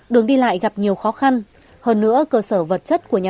đường đi lại gặp nhiều khó khăn